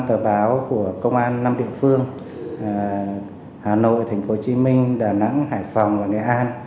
năm tờ báo của công an năm địa phương hà nội tp hcm đà nẵng hải phòng và nghệ an